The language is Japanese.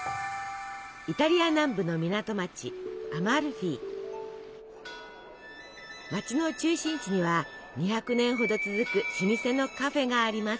イタリア南部の港町街の中心地には２００年ほど続く老舗のカフェがあります。